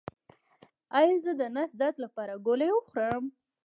ایا زه د نس درد لپاره ګولۍ وخورم؟